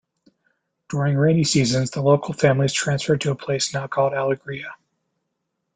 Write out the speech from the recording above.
During rainy seasons, the local families transferred to a place now called Alegria.